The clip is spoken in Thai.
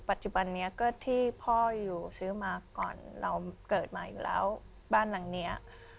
ปัจจุบันนี้ก็ที่พ่ออยู่ซื้อมาก่อนเราเกิดมาอยู่แล้วบ้านหลังเนี้ย